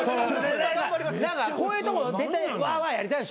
こういうとこ出てワーワーやりたいでしょ？